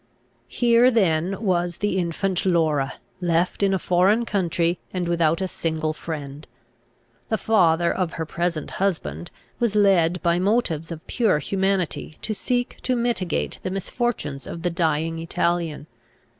Here then was the infant Laura, left in a foreign country, and without a single friend. The father of her present husband was led by motives of pure humanity to seek to mitigate the misfortunes of the dying Italian.